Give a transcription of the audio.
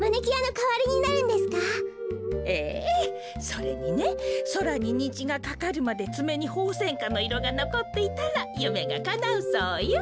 それにねそらににじがかかるまでつめにホウセンカのいろがのこっていたらゆめがかなうそうよ。